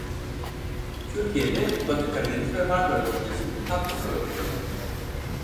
Türkiye'de Batı Karadeniz ve Marmara Bölgesinin tatlısularında bulunur.